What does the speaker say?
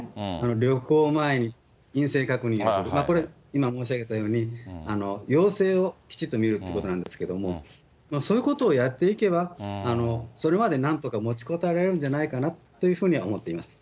旅行前に陰性確認する、これ、今、申し上げたように陽性をきちっと見るということなんですけれども、そういうことをやっていけば、それまでなんとか持ちこたえられるんじゃないかなと思います。